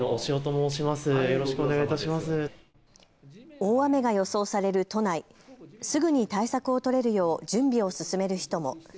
大雨が予想される都内、すぐに対策を取れるよう準備を進める人も。